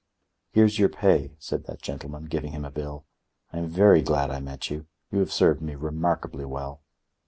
"Here's your pay," said that gentleman, giving him a bill. "I am very glad I met you. You have served me remarkably well."